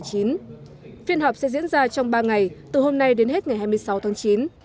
phiên họp sẽ diễn ra trong ba ngày từ hôm nay đến hết ngày hai mươi sáu tháng chín